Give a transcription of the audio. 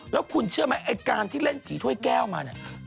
แล้วคุณเชื่อไหมไอ้การที่เล่นผีถ้วยแก้วมาเนี่ย